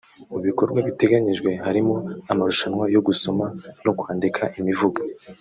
Mu bikorwa biteganyijwe harimo amarushanwa yo gusoma no kwandika imivugo